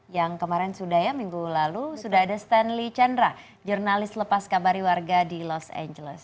yang kemarin sudah ya minggu lalu sudah ada stanley chandra jurnalis lepas kabari warga di los angeles